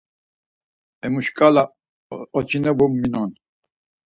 Emu şǩala oçinobu minon.